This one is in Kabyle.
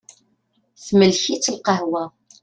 Temlek-itt lqahwa.